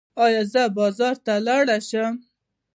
ایا زه بازار ته لاړ شم؟